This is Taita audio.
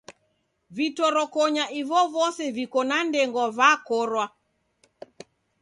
Vitorokonya ivovose viko na ndengwa vakorwa.